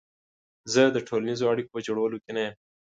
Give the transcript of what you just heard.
زه د ټولنیزو اړیکو په جوړولو کې نه یم.